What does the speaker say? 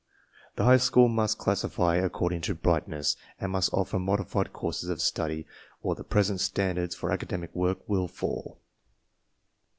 The high school must classify according to brightness and must offer modified courses of study, or the present standards for academic work will fall.